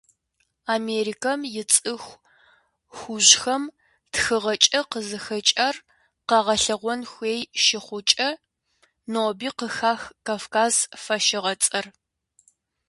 Америкэм и цӀыху хужьхэм тхыгъэкӀэ къызыхэкӀар къагъэлъэгъуэн хуей щыхъукӀэ, ноби къыхах «кавказ» фэщыгъэцӀэр.